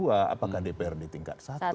apakah dpr di tingkat satu